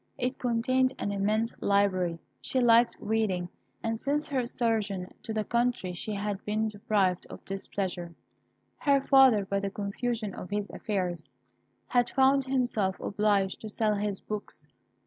It contained an immense library. She liked reading, and since her sojourn in the country she had been deprived of this pleasure. Her father, by the confusion of his affairs, had found himself obliged to sell his books.